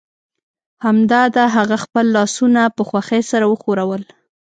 همدا ده هغه خپل لاسونه په خوښۍ سره وښورول